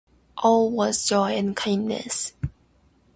All was joy and kindness.